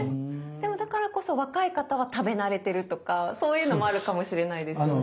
でもだからこそ若い方は食べ慣れてるとかそういうのもあるかもしれないですよね。